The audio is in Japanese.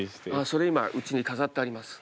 それ今うちに飾ってあります。